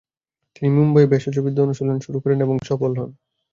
তিনি মুম্বাইয়ে ভেষজবিদ্যা অনুশীলন শুরু করেন এবং সফল হন।